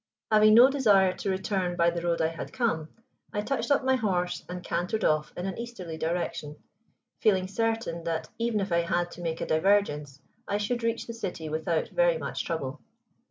Having no desire to return by the road I had come, I touched up my horse and cantered off in an easterly direction, feeling certain that even if I had to make a divergence, I should reach the city without very much trouble.